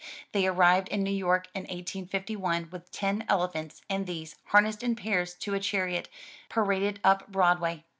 They arrived in New York in 1851 with ten elephants, and these, harnessed in pairs to a chariot, paraded up Broadway.